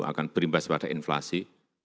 akan berimbas pada inflasi